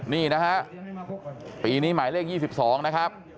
นี่นะฮะปีนี้หมายเลข๒๒นะครับ